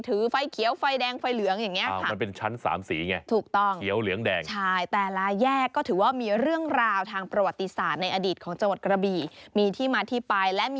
ไฟเขียวไฟแดงไฟเหลืองอย่างนี้